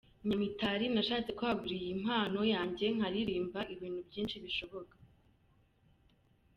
Nyamitari : Nashatse kwagura iyi mpano yanjye nkaririmba ibintu byinshi bishoboka.